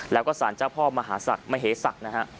แล้วก็สารเจ้าพ่อมหาศักดิ์มเหศักดิ์นะฮะ